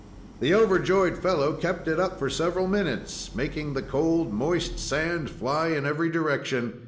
The overjoyed fellow kept it up for several minutes, making the cold, moist sand fly in every direction.